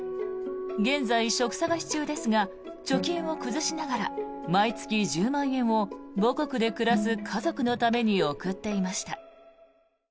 現在、職探し中ですが貯金を崩しながら毎月１０万円を母国で暮らす家族のために送っていました。